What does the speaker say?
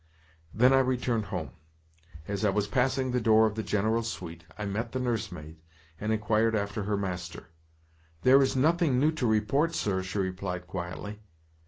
Then I returned home. As I was passing the door of the General's suite, I met the nursemaid, and inquired after her master. "There is nothing new to report, sir," she replied quietly.